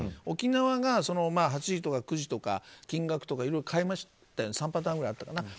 沖縄が８時とか９時とか金額とかいろいろ変えましたよね